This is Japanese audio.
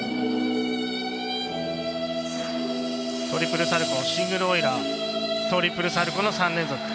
トリプルサルコウシングルオイラートリプルサルコウの３連続。